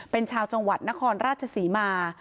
เป็นชาวจนครราชศรีมา